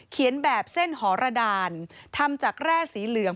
แบบเส้นหอรดานทำจากแร่สีเหลือง